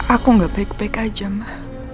aku gak baik baik aja mah